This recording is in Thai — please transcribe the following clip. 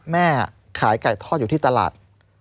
แม่ขายไก่ทอดอยู่ที่ตลาด